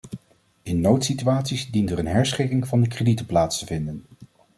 In noodsituaties dient er een herschikking van de kredieten plaats te vinden.